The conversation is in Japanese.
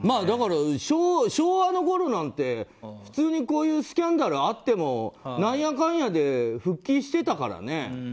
だから、昭和のころなんて普通にこういうスキャンダルがあっても何やかんやで復帰してたからね。